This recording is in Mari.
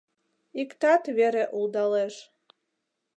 Иктат вере улдалеш.